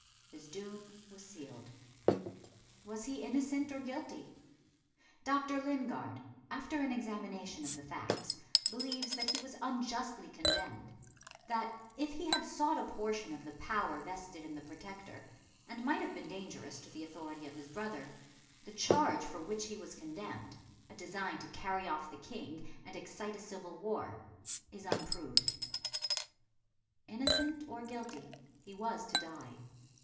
His doom was sealed. Was he innocent or guilty? Dr. Lingard, after an examination of the facts, believes that he was unjustly condemned; that, if he had sought a portion of the power vested in the Protector, and might have been dangerous to the authority of his brother, the charge for which he was condemned a design to carry off the King and excite a civil war is unproved. Innocent or guilty, he was to die.